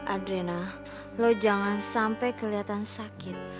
adrena lo jangan sampai kelihatan sakit